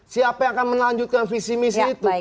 siapa yang akan melanjutkan visi misi itu